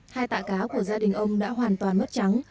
hai tạ cá của gia đình ông đã hoàn toàn mất trắng